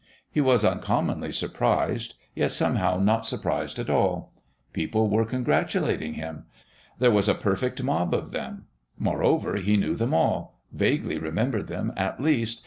He was uncommonly surprised, yet somehow not surprised at all. People were congratulating him. There was a perfect mob of them. Moreover, he knew them all vaguely remembered them, at least.